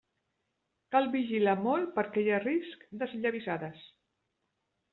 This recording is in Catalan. Cal vigilar molt perquè hi ha risc d'esllavissades.